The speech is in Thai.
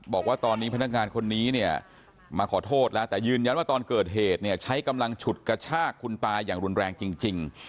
บอกว่าตอนนี้พนักงานคนนี้เนี่ยมาขอโทษแล้วแต่ยืนยันว่าตอนเกิดเหตุเนี่ยใช้กำลังฉุดกระชากคุณตาอย่างรุนแรงจริง